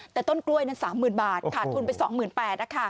แต่ต้นกล้วยนั้น๓๐๐๐บาทขาดทุนไป๒๘๐๐บาท